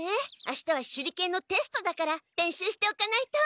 あしたは手裏剣のテストだから練習しておかないと。